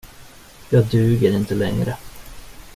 Jag duger inte längre.